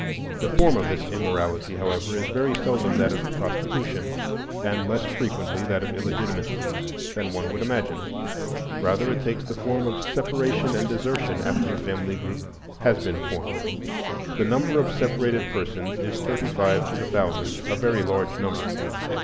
The form of this immorality, however, is very seldom that of prostitution, and less frequently that of illegitimacy than one would imagine. Rather, it takes the form of separation and desertion after a family group has been formed. The number of separated persons is thirty five to the thousand,—a very large number.